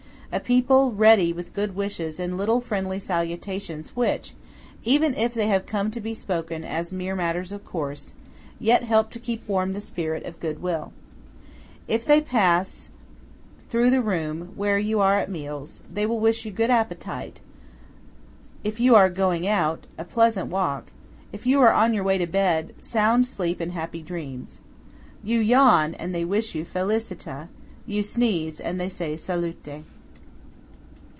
A people ready with good wishes and little friendly salutations which, even if they have come to be spoken as mere matters of course, yet help to keep warm the spirit of good will. If they pass through the room where you are at meals, they wish you "good appetite;" of you are going out, "a pleasant walk;" if on your way to bed, "sound sleep and happy dreams." You yawn, and they wish you "felicità;" you sneeze, and they say "salute."